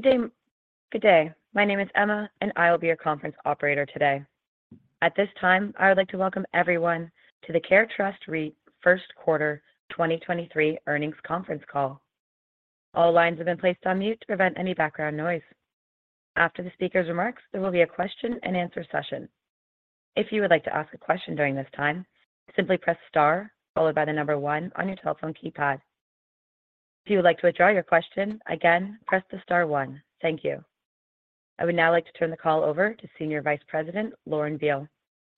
Good day. Good day. My name is Emma, and I will be your conference operator today. At this time, I would like to welcome everyone to the CareTrust REIT Q1 2023 Earnings Conference Call. All lines have been placed on mute to prevent any background noise. After the speaker's remarks, there will be a question-and-answer session. If you would like to ask a question during this time, simply press star followed by the number one on your telephone keypad. If you would like to withdraw your question, again, press the star one. Thank you. I would now like to turn the call over to Senior Vice President, Lauren Beale.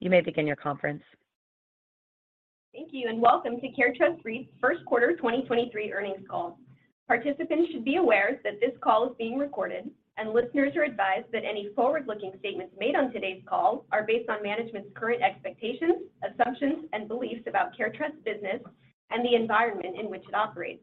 You may begin your conference. Thank you. Welcome to CareTrust REIT's Q1 2023 Earnings Call. Participants should be aware that this call is being recorded, and listeners are advised that any forward-looking statements made on today's call are based on management's current expectations, assumptions, and beliefs about CareTrust's business and the environment in which it operates.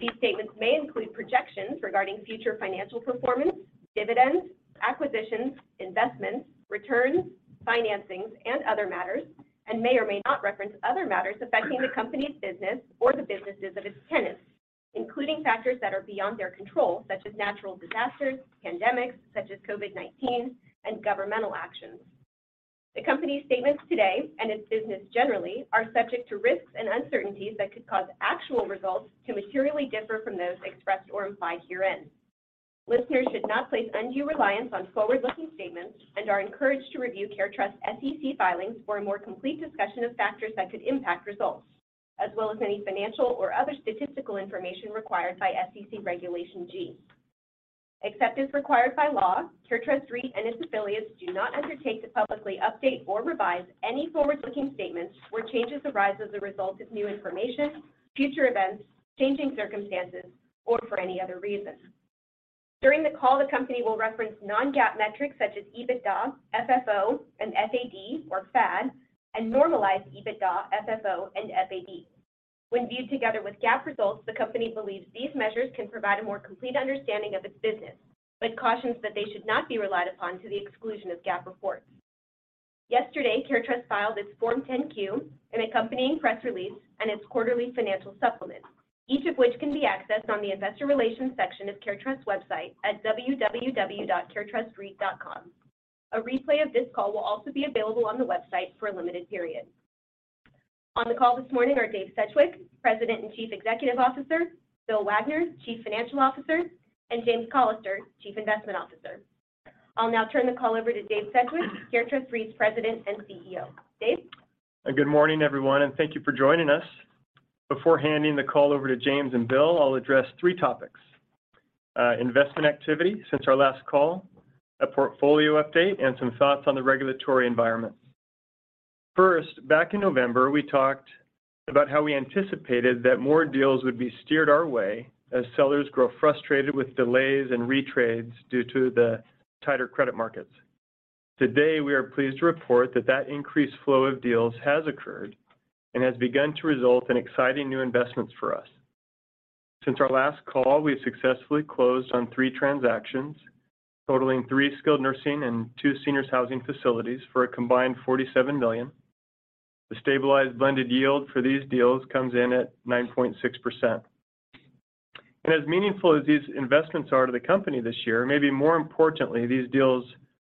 These statements may include projections regarding future financial performance, dividends, acquisitions, investments, returns, financings, and other matters, and may or may not reference other matters affecting the company's business or the businesses of its tenants, including factors that are beyond their control, such as natural disasters, pandemics such as COVID-19, and governmental actions. The company's statements today and its business generally are subject to risks and uncertainties that could cause actual results to materially differ from those expressed or implied herein. Listeners should not place undue reliance on forward-looking statements and are encouraged to review CareTrust's SEC filings for a more complete discussion of factors that could impact results, as well as any financial or other statistical information required by SEC Regulation G. Except as required by law, CareTrust REIT and its affiliates do not undertake to publicly update or revise any forward-looking statements where changes arise as a result of new information, future events, changing circumstances, or for any other reason. During the call, the company will reference non-GAAP metrics such as EBITDA, FFO, and FAD, or FAD, and normalized EBITDA, FFO, and FAD. When viewed together with GAAP results, the company believes these measures can provide a more complete understanding of its business, but cautions that they should not be relied upon to the exclusion of GAAP reports. Yesterday, CareTrust filed its Form 10-Q and accompanying press release and its quarterly financial supplement, each of which can be accessed on the Investor Relations section of CareTrust's website at www.caretrustreit.com. A replay of this call will also be available on the website for a limited period. On the call this morning are Dave Sedgwick, President and Chief Executive Officer, Bill Wagner, Chief Financial Officer, and James Callister, Chief Investment Officer. I'll now turn the call over to Dave Sedgwick, CareTrust REIT's President and CEO. Dave? Good morning, everyone, and thank you for joining us. Before handing the call over to James and Bill, I'll address 3 topics: investment activity since our last call, a portfolio update, and some thoughts on the regulatory environment. First, back in November, we talked about how we anticipated that more deals would be steered our way as sellers grow frustrated with delays and retrades due to the tighter credit markets. Today, we are pleased to report that that increased flow of deals has occurred and has begun to result in exciting new investments for us. Since our last call, we've successfully closed on 3 transactions, totaling 3 skilled nursing and 2 seniors housing facilities for a combined $47 million. The stabilized blended yield for these deals comes in at 9.6%. As meaningful as these investments are to the company this, maybe more importantly, these deals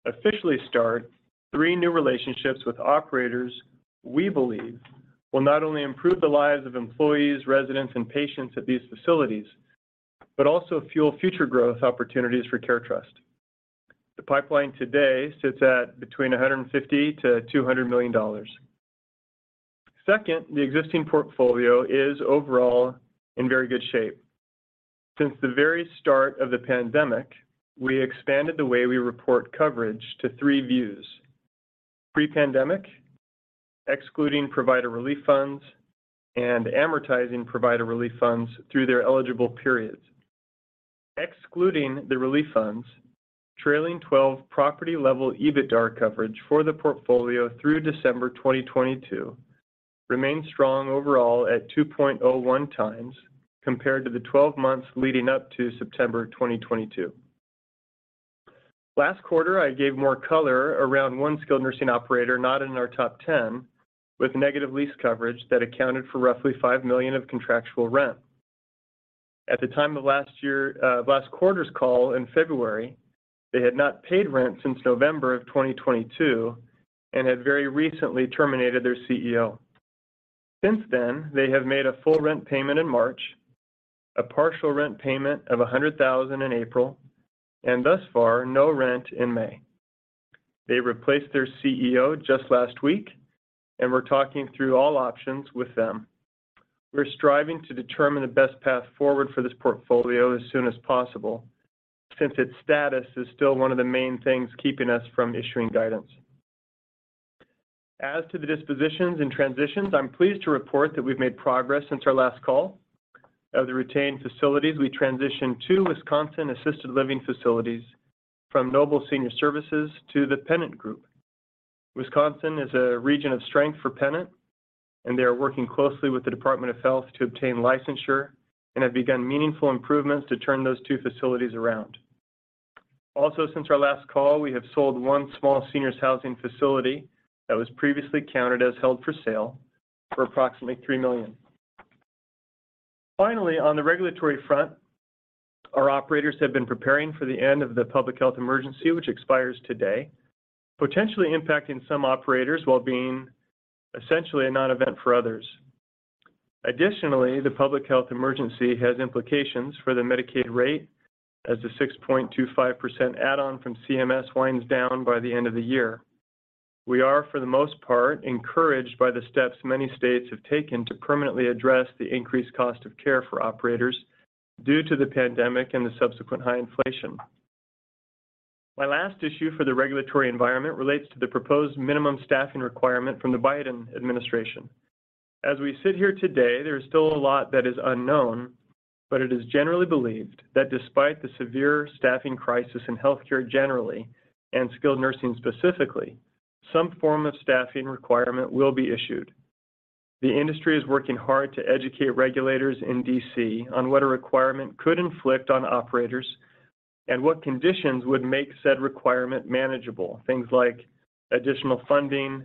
officially start 3 new relationships with operators we believe will not only improve the lives of employees, residents, and patients at these facilities, but also fuel future growth opportunities for CareTrust. The pipeline today sits at between $150 million-$200 million. Second, the existing portfolio is overall in very good shape. Since the very start of the pandemic, we expanded the way we report coverage to 3 views: pre-pandemic, excluding Provider Relief Fund, and amortizing Provider Relief Fund through their eligible periods. Excluding the Provider Relief Fund, trailing-12 property-level EBITDAR coverage for the portfolio through December 2022 remained strong overall at 2.01 times compared to the 12 months leading up to September 2022. Last quarter, I gave more color around one skilled nursing operator not in our top ten with negative lease coverage that accounted for roughly $5 million of contractual rent. At the time of last quarter's call in February, they had not paid rent since November of 2022 and had very recently terminated their CEO. They have made a full rent payment in March, a partial rent payment of $100,000 in April, and thus far, no rent in May. They replaced their CEO just last week, we're talking through all options with them. We're striving to determine the best path forward for this portfolio as soon as possible since its status is still one of the main things keeping us from issuing guidance. I'm pleased to report that we've made progress since our last call. Of the retained facilities, we transitioned 2 Wisconsin assisted living facilities from Noble Senior Services to The Pennant Group. Wisconsin is a region of strength for Pennant, and they are working closely with the Department of Health to obtain licensure and have begun meaningful improvements to turn those 2 facilities around. Since our last call, we have sold 1 small seniors housing facility that was previously counted as held for sale for approximately $3 million. On the regulatory front, our operators have been preparing for the end of the Public Health Emergency, which expires today, potentially impacting some operators while being essentially a non-event for others. The Public Health Emergency has implications for the Medicaid rate as the 6.25% add-on from CMS winds down by the end of the year. We are, for the most part, encouraged by the steps many states have taken to permanently address the increased cost of care for operators due to the pandemic and the subsequent high inflation. My last issue for the regulatory environment relates to the proposed minimum staffing requirement from the Biden administration. As we sit here today, there is still a lot that is unknown, but it is generally believed that despite the severe staffing crisis in healthcare generally, and skilled nursing specifically, some form of staffing requirement will be issued. The industry is working hard to educate regulators in D.C. on what a requirement could inflict on operators and what conditions would make said requirement manageable. Things like additional funding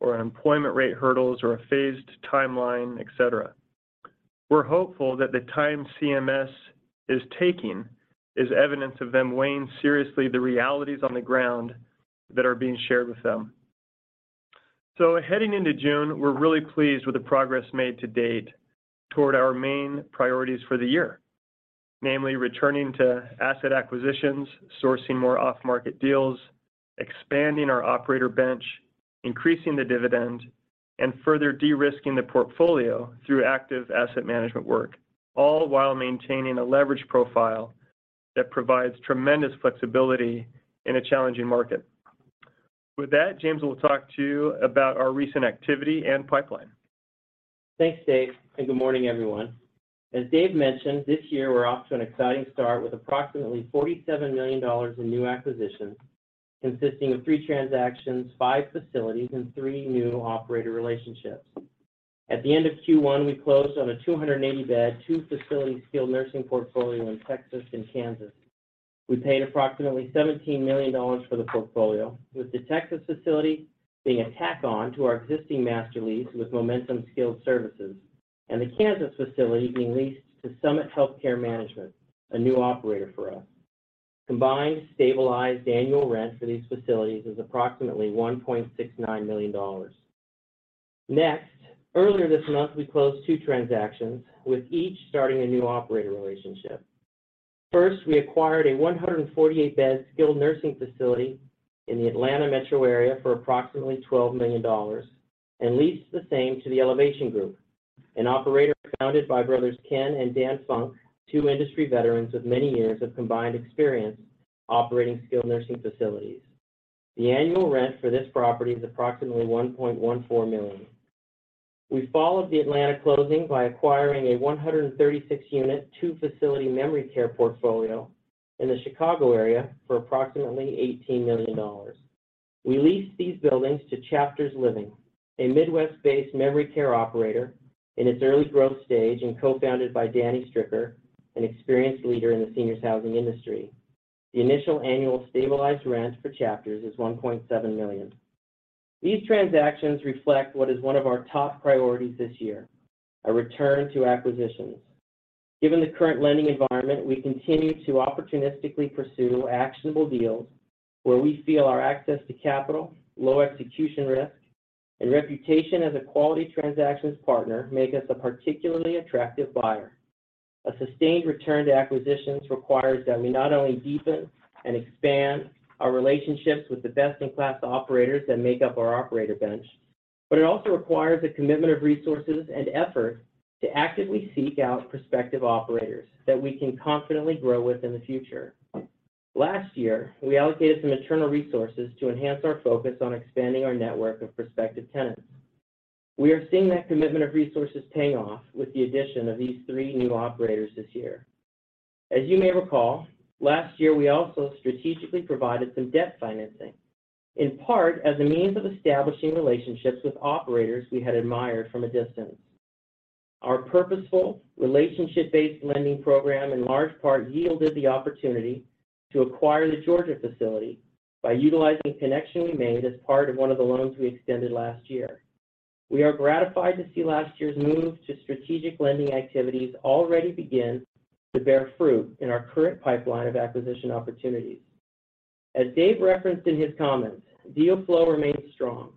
or employment rate hurdles or a phased timeline, et cetera. We're hopeful that the time CMS is taking is evidence of them weighing seriously the realities on the ground that are being shared with them. Heading into June, we're really pleased with the progress made to date toward our main priorities for the year. Namely, returning to asset acquisitions, sourcing more off-market deals, expanding our operator bench, increasing the dividend, and further de-risking the portfolio through active asset management work, all while maintaining a leverage profile that provides tremendous flexibility in a challenging market. With that, James will talk to you about our recent activity and pipeline. Thanks, Dave, and good morning, everyone. As Dave mentioned, this year we're off to an exciting start with approximately $47 million in new acquisitions, consisting of 3 transactions, 5 facilities, and 3 new operator relationships. At the end of Q1, we closed on a 280-bed, 2-facility skilled nursing portfolio in Texas and Kansas. We paid approximately $17 million for the portfolio, with the Texas facility being a tack on to our existing master lease with Momentum Skilled Services, and the Kansas facility being leased to Summit Healthcare Management, a new operator for us. Combined stabilized annual rent for these facilities is approximately $1.69 million. Earlier this month, we closed 2 transactions, with each starting a new operator relationship. First, we acquired a 148-bed skilled nursing facility in the Atlanta metro area for approximately $12 million, and leased the same to The Elevation Group, an operator founded by brothers Ken and Dan Funk, two industry veterans with many years of combined experience operating skilled nursing facilities. The annual rent for this property is approximately $1.14 million. We followed the Atlanta closing by acquiring a 136-unit, two-facility memory care portfolio in the Chicago area for approximately $18 million. We leased these buildings to Chapters Living, a Midwest-based memory care operator in its early growth stage and co-founded by Danny Stricker, an experienced leader in the seniors housing industry. The initial annual stabilized rent for Chapters is $1.7 million. These transactions reflect what is one of our top priorities this year, a return to acquisitions. Given the current lending environment, we continue to opportunistically pursue actionable deals where we feel our access to capital, low execution risk, and reputation as a quality transactions partner make us a particularly attractive buyer. A sustained return to acquisitions requires that we not only deepen and expand our relationships with the best-in-class operators that make up our operator bench, but it also requires a commitment of resources and effort to actively seek out prospective operators that we can confidently grow with in the future. Last year, we allocated some internal resources to enhance our focus on expanding our network of prospective tenants. We are seeing that commitment of resources paying off with the addition of these three new operators this year. As you may recall, last year we also strategically provided some debt financing, in part as a means of establishing relationships with operators we had admired from a distance. Our purposeful, relationship-based lending program in large part yielded the opportunity to acquire the Georgia facility by utilizing connection we made as part of 1 of the loans we extended last year. We are gratified to see last year's move to strategic lending activities already begin to bear fruit in our current pipeline of acquisition opportunities. As Dave referenced in his comments, deal flow remains strong.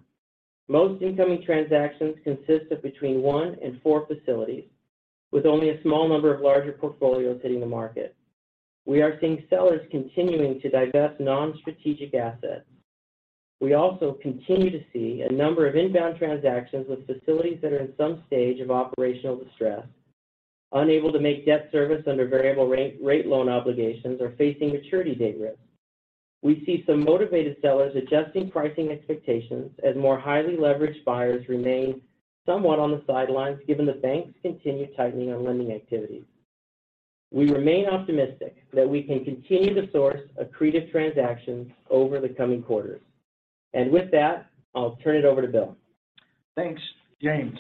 Most incoming transactions consist of between 1 and 4 facilities, with only a small number of larger portfolios hitting the market. We are seeing sellers continuing to divest non-strategic assets. We also continue to see a number of inbound transactions with facilities that are in some stage of operational distress, unable to make debt service under variable rate loan obligations, or facing maturity date risk. We see some motivated sellers adjusting pricing expectations as more highly leveraged buyers remain somewhat on the sidelines given the banks continue tightening on lending activities. We remain optimistic that we can continue to source accretive transactions over the coming quarters. With that, I'll turn it over to Bill. Thanks, James.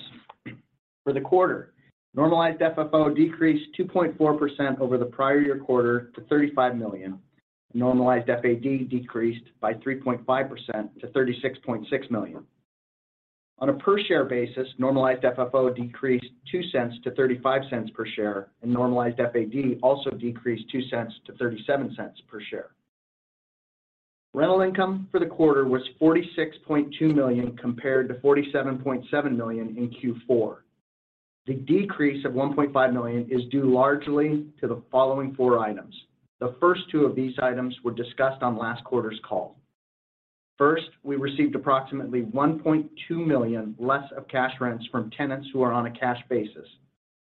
For the quarter, normalized FFO decreased 2.4% over the prior year quarter to $35 million. Normalized FAD decreased by 3.5% to $36.6 million. On a per share basis, normalized FFO decreased $0.02 to $0.35 per share, and normalized FAD also decreased $0.02 to $0.37 per share. Rental income for the quarter was $46.2 million compared to $47.7 million in Q4. The decrease of $1.5 million is due largely to the following four items. The first two of these items were discussed on last quarter's call. First, we received approximately $1.2 million less of cash rents from tenants who are on a cash basis,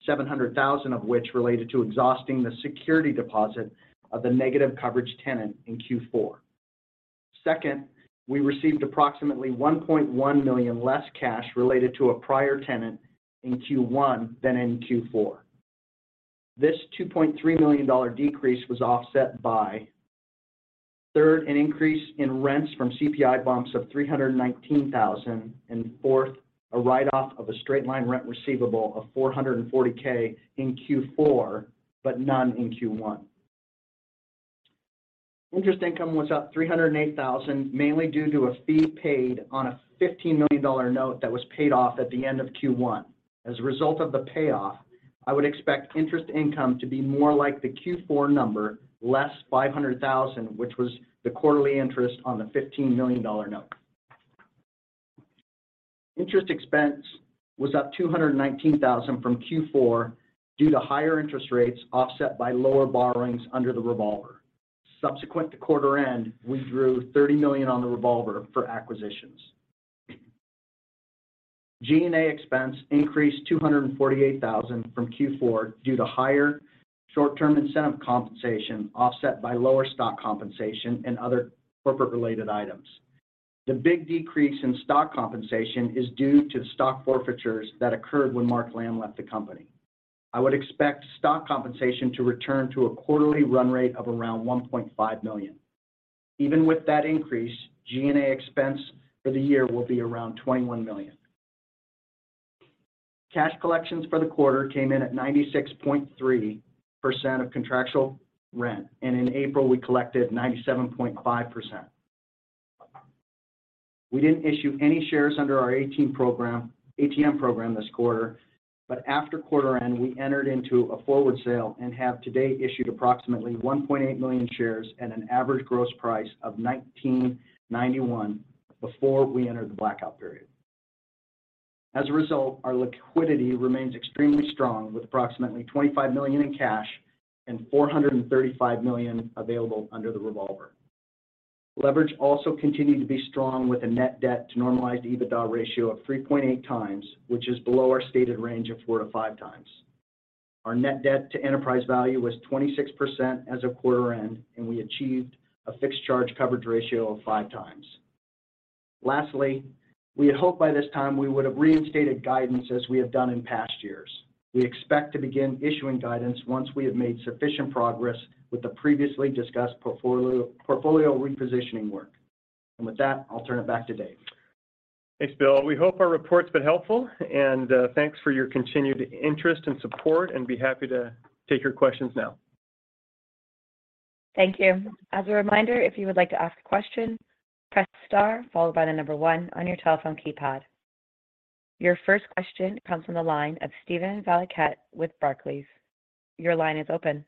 $700,000 of which related to exhausting the security deposit of the negative coverage tenant in Q4. Second, we received approximately $1.1 million less cash related to a prior tenant in Q1 than in Q4. This $2.3 million decrease was offset by, third, an increase in rents from CPI bumps of $319,000. Fourth, a write-off of a straight-line rent receivable of $440K in Q4 but none in Q1. Interest income was up $308,000, mainly due to a fee paid on a $15 million note that was paid off at the end of Q1. As a result of the payoff, I would expect interest income to be more like the Q4 number, less $500,000, which was the quarterly interest on the $15 million note. Interest expense was up $219,000 from Q4 due to higher interest rates offset by lower borrowings under the revolver. Subsequent to quarter end, we drew $30 million on the revolver for acquisitions. G&A expense increased $248,000 from Q4 due to higher short-term incentive compensation offset by lower stock compensation and other corporate related items. The big decrease in stock compensation is due to stock forfeitures that occurred when Mark Lamb left the company. I would expect stock compensation to return to a quarterly run rate of around $1.5 million. Even with that increase, G&A expense for the year will be around $21 million. Cash collections for the quarter came in at 96.3% of contractual rent. In April we collected 97.5%. We didn't issue any shares under our ATM program this quarter. After quarter end we entered into a forward sale and have to date issued approximately $1.8 million shares at an average gross price of $19.91 before we entered the blackout period. As a result, our liquidity remains extremely strong with approximately $25 million in cash and $435 million available under the revolver. Leverage also continued to be strong with a Net Debt to Normalized EBITDA ratio of 3.8 times, which is below our stated range of 4-5 times. Our Net Debt to enterprise value was 26% as of quarter end, and we achieved a fixed charge coverage ratio of 5 times. Lastly, we had hoped by this time we would have reinstated guidance as we have done in past years. We expect to begin issuing guidance once we have made sufficient progress with the previously discussed portfolio repositioning work. With that, I'll turn it back to Dave. Thanks, Bill. We hope our report's been helpful, and, thanks for your continued interest and support, and be happy to take your questions now. Thank you. As a reminder, if you would like to ask a question, press star followed by 1 on your telephone keypad. Your first question comes from the line of Steven Valiquette with Barclays. Your line is open.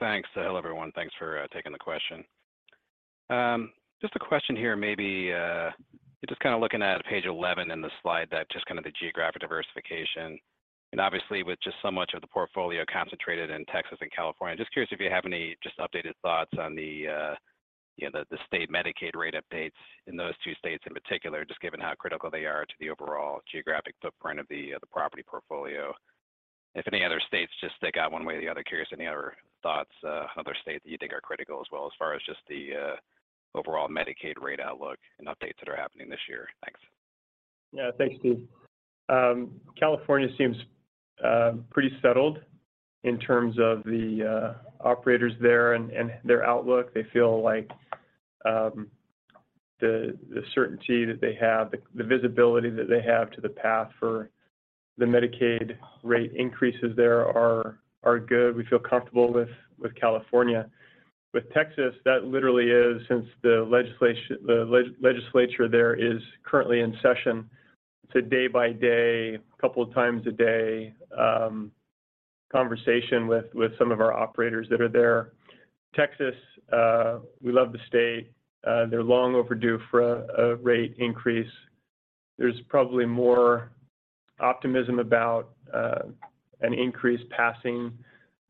Thanks. Hello, everyone. Thanks for taking the question. Just a question here, maybe, just kind of looking at page 11 in the slide, that just kind of the geographic diversification. Obviously with just so much of the portfolio concentrated in Texas and California, just curious if you have any just updated thoughts on the, the state Medicaid rate updates in those two states in particular, just given how critical they are to the overall geographic footprint of the property portfolio. If any other states just stick out one way or the other, curious any other thoughts, other states that you think are critical as well as far as just the overall Medicaid rate outlook and updates that are happening this year? Thanks. Thanks, Steve. California seems pretty settled in terms of the operators there and their outlook. They feel like the certainty that they have, the visibility that they have to the path for the Medicaid rate increases there are good. We feel comfortable with California. With Texas, that literally is, since the legislature there is currently in session, it's a day by day, couple of times a day, conversation with some of our operators that are there. Texas, we love the state. They're long overdue for a rate increase. There's probably more optimism about an increase passing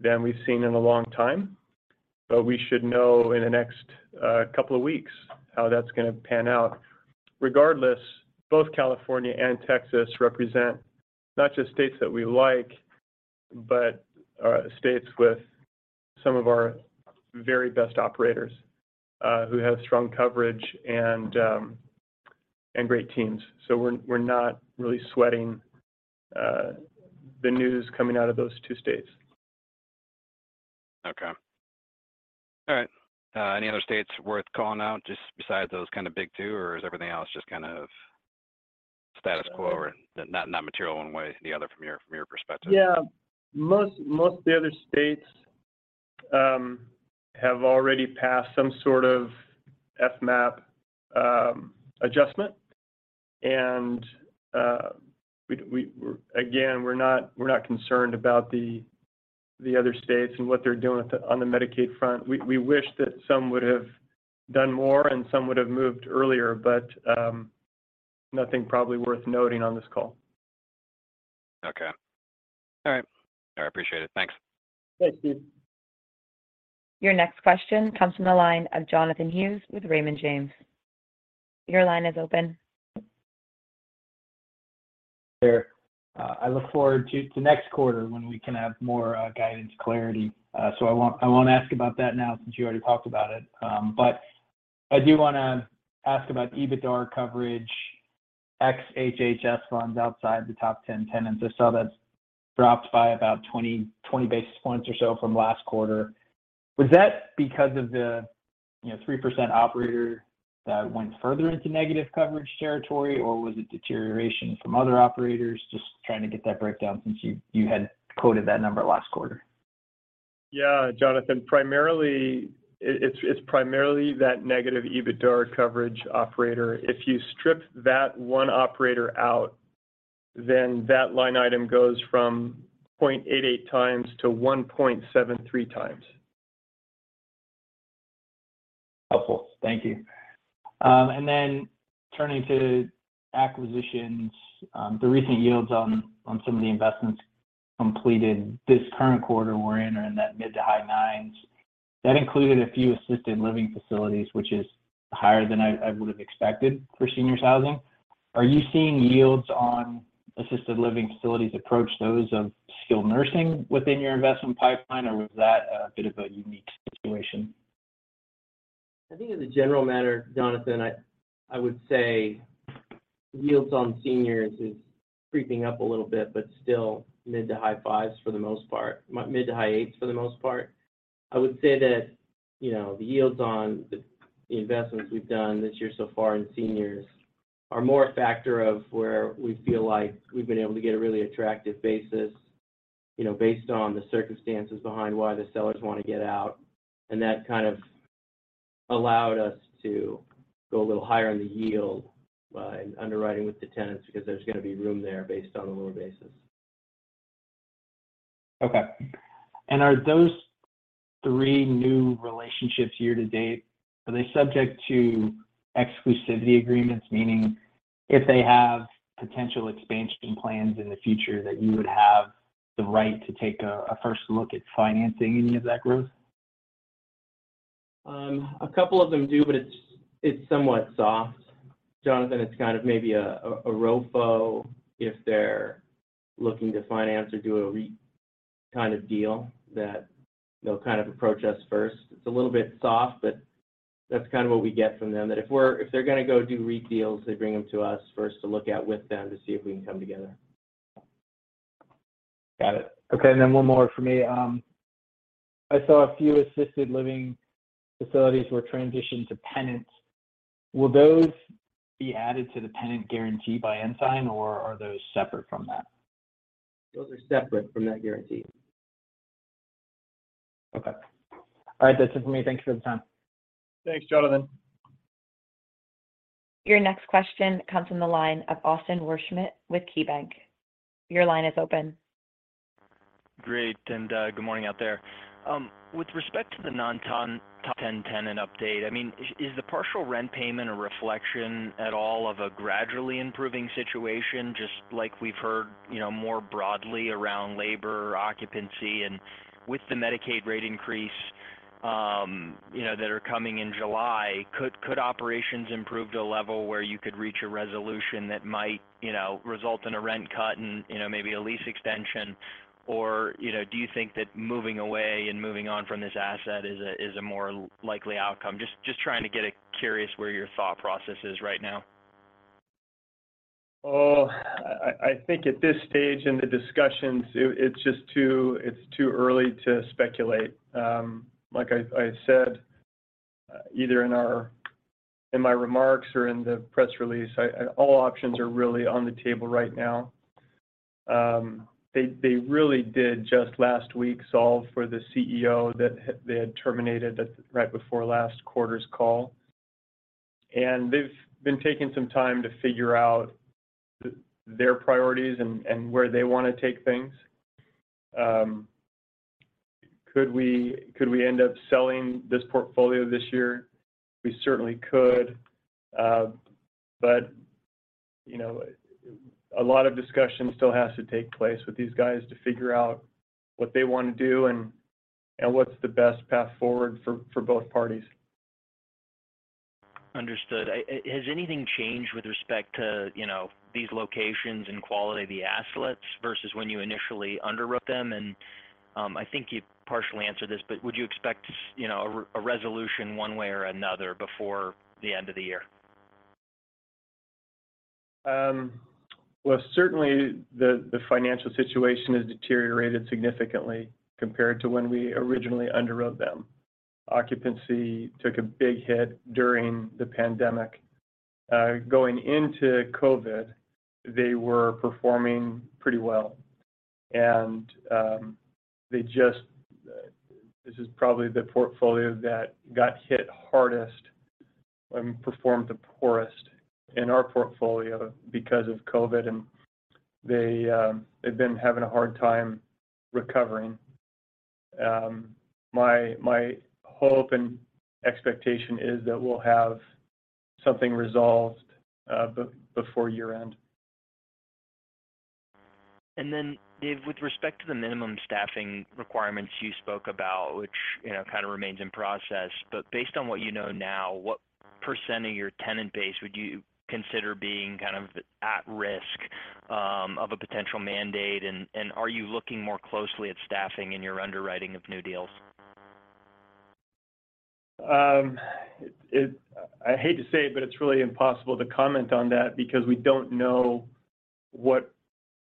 than we've seen in a long time. We should know in the next couple of weeks how that's gonna pan out. Regardless, both California and Texas represent not just states that we like, but, states with some of our very best operators, who have strong coverage and great teams. We're, we're not really sweating, the news coming out of those two states. Okay. All right. Any other states worth calling out just besides those kind of big two, or is everything else just kind of status quo or not material one way or the other from your, from your perspective? Yeah. Most of the other states have already passed some sort of FMAP adjustment. Again, we're not concerned about the other states and what they're doing on the Medicaid front. We wish that some would have done more and some would have moved earlier, nothing probably worth noting on this call. Okay. All right. All right, appreciate it. Thanks. Thanks, Steve. Your next question comes from the line of Jonathan Hughes with Raymond James. Your line is open. There. I look forward to next quarter when we can have more guidance clarity. I won't ask about that now since you already talked about it. I do wanna ask about EBITDA coverage, ex HHS funds outside the top 10 tenants. I saw that's dropped by about 20 basis points or so from last quarter. Was that because of the, 3% operator that went further into negative coverage territory, or was it deterioration from other operators? Just trying to get that breakdown since you had quoted that number last quarter. Yeah, Jonathan. Primarily. It's primarily that negative EBITDA coverage operator. If you strip that one operator out, then that line item goes from 0.88 times to 1.73 times. Helpful. Thank you. Turning to acquisitions, the recent yields on some of the investments completed this current quarter we're in are in that mid to high 9s. That included a few assisted living facilities, which is higher than I would have expected for seniors housing. Are you seeing yields on assisted living facilities approach those of skilled nursing within your investment pipeline, or was that a bit of a unique situation? I think as a general matter, Jonathan, I would say yields on seniors is creeping up a little bit, but still mid to high 5% for the most part. Mid to high 8% for the most part. I would say that, the yields on the investments we've done this year so far in seniors are more a factor of where we feel like we've been able to get a really attractive basis, based on the circumstances behind why the sellers wanna get out. That kind of allowed us to go a little higher on the yield by underwriting with the tenants because there's gonna be room there based on a lower basis. Okay. Are those 3 new relationships year to date subject to exclusivity agreements? Meaning if they have potential expansion plans in the future, that you would have the right to take a first look at financing any of that growth? A couple of them do, but it's somewhat soft. Jonathan, it's kind of maybe a ROFO if they're looking to finance or do a REIT kind of deal that they'll kind of approach us first. It's a little bit soft. That's kind of what we get from them. That if they're gonna go do REIT deals, they bring them to us first to look at with them to see if we can come together. Got it. Okay, one more from me. I saw a few assisted living facilities were transitioned to Pennant. Will those be added to the Pennant guarantee by Ensign, are those separate from that? Those are separate from that guarantee. All right. That's it for me. Thank you for the time. Thanks, Jonathan. Your next question comes from the line of Austin Wurschmidt with KeyBank. Your line is open. Great, good morning out there. With respect to the non-ten, top 10 tenant update, I mean, is the partial rent payment a reflection at all of a gradually improving situation, just like we've heard, more broadly around labor occupancy? With the Medicaid rate increase, that are coming in July, could operations improve to a level where you could reach a resolution that might, result in a rent cut and, maybe a lease extension? Do you think that moving away and moving on from this asset is a more likely outcome? Just curious where your thought process is right now. Well, I think at this stage in the discussions, it's just too early to speculate. Like I said, either in my remarks or in the press release, all options are really on the table right now. They really did just last week solve for the CEO that they had terminated right before last quarter's call. They've been taking some time to figure out their priorities and where they wanna take things. Could we end up selling this portfolio this year? We certainly could. You know, lot of discussion still has to take place with these guys to figure out what they wanna do and what's the best path forward for both parties. Understood. Has anything changed with respect to, these locations and quality of the assets versus when you initially underwrote them? I think you partially answered this, but would you expect, a resolution one way or another before the end of the year? Well, certainly the financial situation has deteriorated significantly compared to when we originally underwrote them. Occupancy took a big hit during the pandemic. Going into COVID, they were performing pretty well. This is probably the portfolio that got hit hardest and performed the poorest in our portfolio because of COVID, and they've been having a hard time recovering. My hope and expectation is that we'll have something resolved before year-end. Dave, with respect to the minimum staffing requirements you spoke about, which, kind of remains in process. Based on what ynow, what % of your tenant base would you consider being kind of at risk of a potential mandate? Are you looking more closely at staffing in your underwriting of new deals? I hate to say it, but it's really impossible to comment on that because we don't know what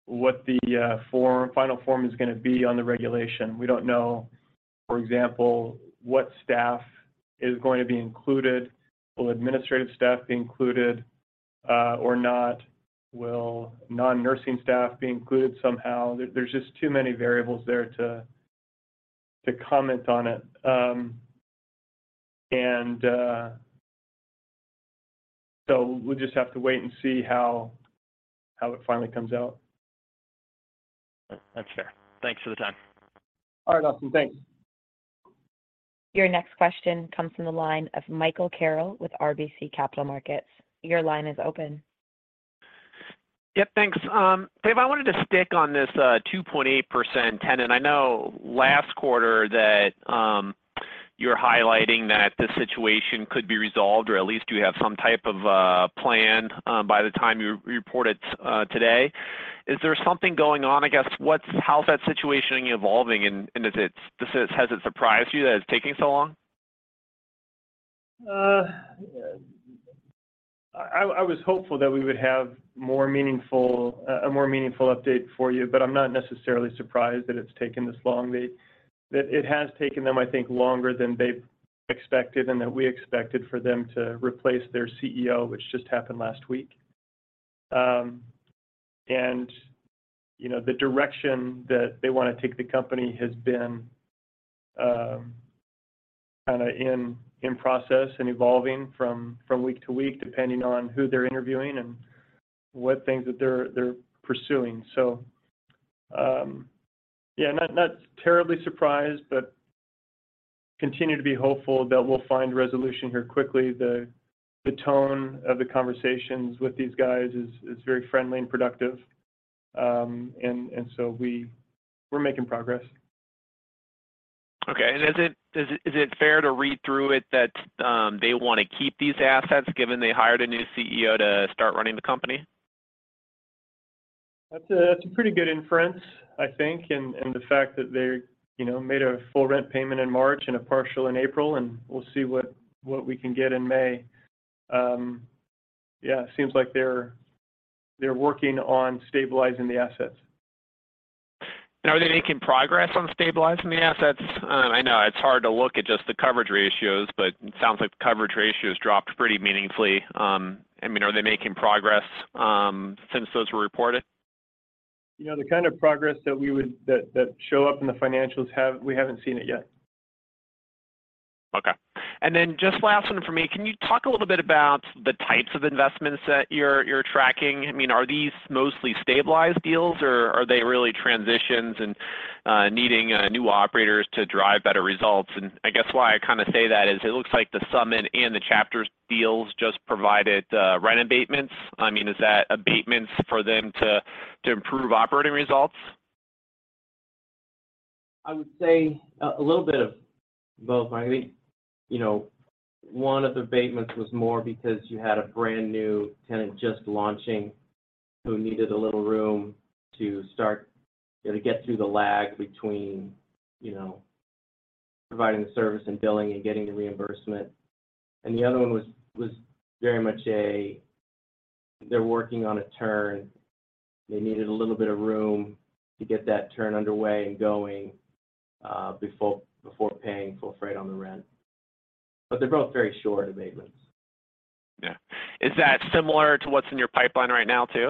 the form, final form is gonna be on the regulation. We don't know, for example, what staff is going to be included. Will administrative staff be included or not? Will non-nursing staff be included somehow? There's just too many variables there to comment on it. We'll just have to wait and see how it finally comes out. That's fair. Thanks for the time. All right, Austin. Thanks. Your next question comes from the line of Michael Carroll with RBC Capital Markets. Your line is open. Yeah, thanks. Dave, I wanted to stick on this 2.8% tenant. I know last quarter that you were highlighting that the situation could be resolved, or at least you have some type of plan by the time you report it today. Is there something going on? I guess, how's that situation evolving, and has it surprised you that it's taking so long? I was hopeful that we would have a more meaningful update for you, but I'm not necessarily surprised that it's taken this long. That it has taken them, I think, longer than they've expected and that we expected for them to replace their CEO, which just happened last week. You know, the direction that they wanna take the company has been kinda in process and evolving from week to week, depending on who they're interviewing and what things that they're pursuing. Yeah, not terribly surprised, but continue to be hopeful that we'll find resolution here quickly. The tone of the conversations with these guys is very friendly and productive. We're making progress. Okay. Is it fair to read through it that, they wanna keep these assets given they hired a new CEO to start running the company? That's a pretty good inference, I think, in the fact that they, made a full rent payment in March and a partial in April, and we'll see what we can get in May. Yeah, it seems like they're working on stabilizing the assets. Are they making progress on stabilizing the assets? I know it's hard to look at just the coverage ratios, but it sounds like the coverage ratios dropped pretty meaningfully. I mean, are they making progress since those were reported? You know, the kind of progress that show up in the financials we haven't seen it yet. Okay. Just last one from me. Can you talk a little bit about the types of investments that you're tracking? I mean, are these mostly stabilized deals, or are they really transitions and needing new operators to drive better results? I guess why I kinda say that is it looks like the Summit and the Chapters deals just provided rent abatements. I mean, is that abatements for them to improve operating results? I would say a little bit of both, Mike. I think, one of the abatements was more because you had a brand-new tenant just launching who needed a little room to start, to get through the lag between, providing the service and billing and getting the reimbursement. The other one was very much a, they're working on a turn. They needed a little bit of room to get that turn underway and going before paying full freight on the rent. They're both very short abatements. Yeah. Is that similar to what's in your pipeline right now too?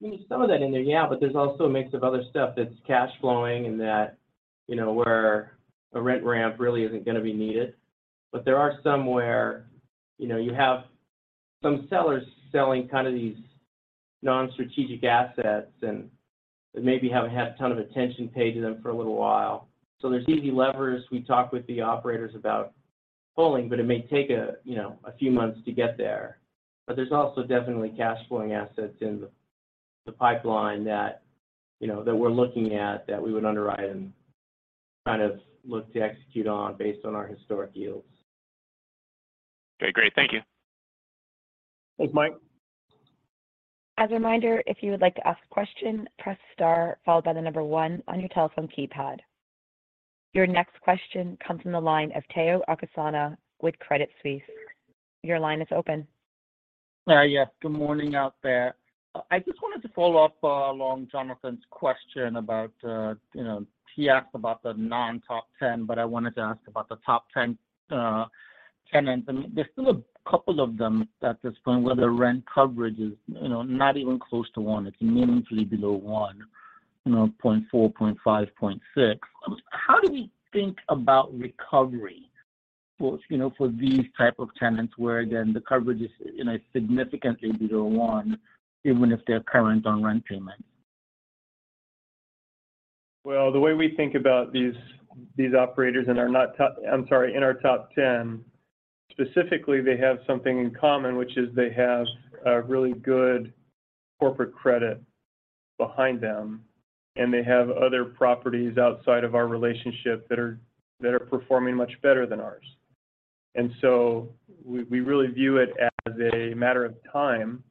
There's some of that in there, yeah, but there's also a mix of other stuff that's cash flowing and that, where a rent ramp really isn't gonna be needed. There are some where, you have some sellers selling kind of these non-strategic assets and that maybe haven't had a ton of attention paid to them for a little while. There's easy levers we talk with the operators about pulling, but it may take a few months to get there. There's also definitely cash flowing assets in the pipeline that, that we're looking at that we would underwrite and kind of look to execute on based on our historic yields. Okay, great. Thank you. Thanks, Mike. As a reminder, if you would like to ask a question, press star followed by 1 on your telephone keypad. Your next question comes from the line of Tayo Okusanya with Credit Suisse. Your line is open. Hi. Yes, good morning out there. I just wanted to follow up, along Jonathan's question about, he asked about the non-top 10, but I wanted to ask about the top 10 tenants. I mean, there's still a couple of them at this point where the rent coverage is, not even close to 1. It's meaningfully below 1, 0.4, 0.5, 0.6. How do we think about recovery for, you know, for these type of tenants where then the coverage is, significantly below 1, even if they're current on rent payment? The way we think about these operators in our top 10, specifically they have something in common, which is they have a really good corporate credit behind them, and they have other properties outside of our relationship that are performing much better than ours. We really view it as a matter of time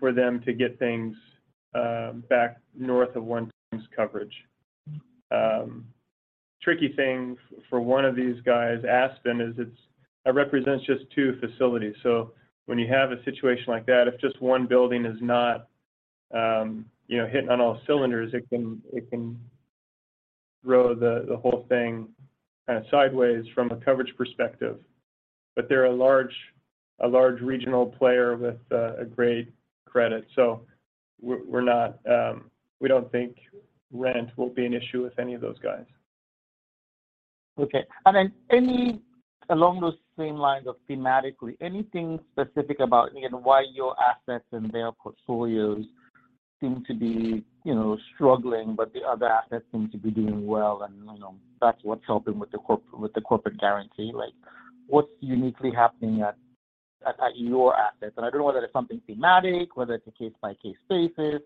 for them to get things back north of 1 times coverage. Tricky thing for 1 of these guys, Aspen, is It represents just 2 facilities. When you have a situation like that, if just 1 building is not, hitting on all cylinders, it can throw the whole thing kind of sideways from a coverage perspective. They're a large regional player with a great credit. We're not. We don't think rent will be an issue with any of those guys. Okay. Along those same lines of thematically, anything specific about, why your assets and their portfolios seem to be, struggling, but the other assets seem to be doing well and, that's what's helping with the corporate guarantee? Like, what's uniquely happening at your assets? I don't know whether it's something thematic, whether it's a case-by-case basis.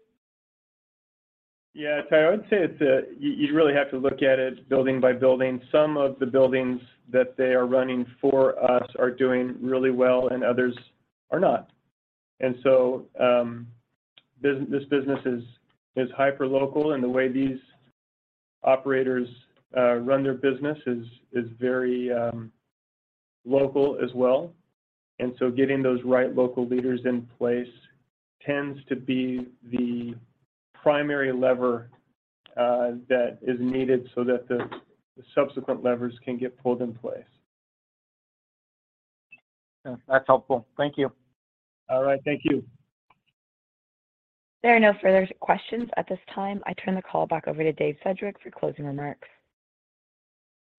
Yeah. Tayo, I would say it's You really have to look at it building by building. Some of the buildings that they are running for us are doing really well and others are not. This business is hyperlocal, and the way these operators run their business is very local as well. Getting those right local leaders in place tends to be the primary lever that is needed so that the subsequent levers can get pulled in place. Yeah, that's helpful. Thank you. All right. Thank you. There are no further questions at this time. I turn the call back over to Dave Sedgwick for closing remarks.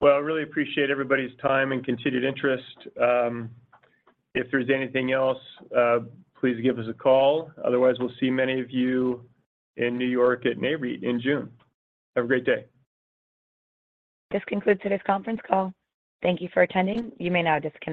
Well, I really appreciate everybody's time and continued interest. If there's anything else, please give us a call. Otherwise, we'll see many of you in New York at Nareit in June. Have a great day. This concludes today's conference call. Thank you for attending. You may now disconnect.